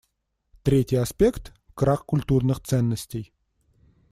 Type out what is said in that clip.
Третий аспект — крах культурных ценностей.